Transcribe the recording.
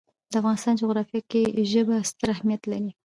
د افغانستان جغرافیه کې ژبې ستر اهمیت لري.